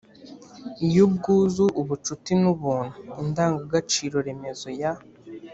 iy’ubwuzu, ubucuti n’ubuntu. indangagaciro remezo ya